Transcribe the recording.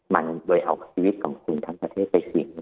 มันเลยเอาชีวิตของคุณทั้งประเทศไปทิ้ง